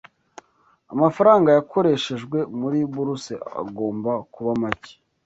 amafaranga yakoreshejwe muri buruse agomba kuba make